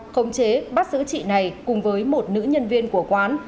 không chế bắt giữ chị này cùng với một nữ nhân viên của quán